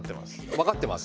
わかってます。